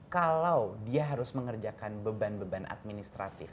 kalau dia harus mengerjakan beban beban administratif